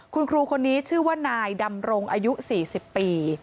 คุณครูคนนี้ชื่อว่านายดำรงอายุ๔๐ปี